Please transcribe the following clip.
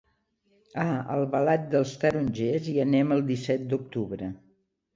A Albalat dels Tarongers hi anem el disset d'octubre.